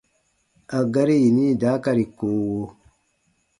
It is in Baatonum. A gari yini daakari koowo :